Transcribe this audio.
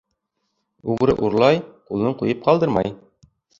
Уғры урлай, ҡулын ҡуйып ҡалдырмай.